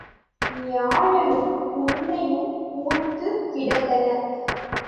ஞாழலும், புன்னையும் பூத்துக் கிடந்தன.